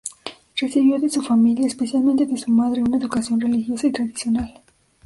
Recibió de su familia, especialmente de su madre, una educación religiosa y tradicional.